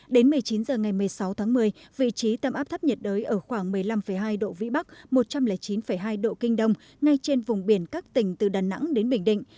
đến một mươi chín h ngày một mươi sáu tháng một mươi vị trí tâm áp thấp nhiệt đới ở khoảng một mươi năm hai độ vĩ bắc một trăm linh chín hai độ kinh đông ngay trên vùng biển các tỉnh từ đà nẵng đến bình định